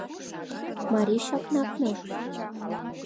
Марий чакнак мо?